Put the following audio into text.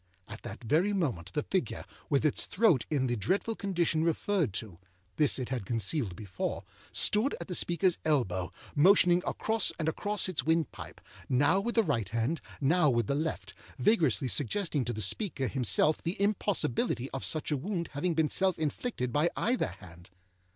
At that very moment, the figure, with its throat in the dreadful condition referred to (this it had concealed before), stood at the speakerâs elbow, motioning across and across its windpipe, now with the right hand, now with the left, vigorously suggesting to the speaker himself the impossibility of such a wound having been self inflicted by either hand.